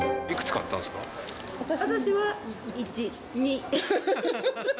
私は１、２。